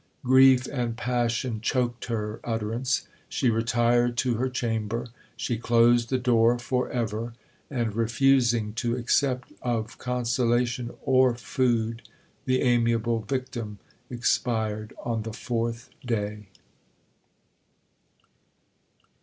Grief and passion choked her utterance. She retired to her chamber: she closed the door for ever; and refusing to accept of consolation or food, the amiable victim expired on the fourth day.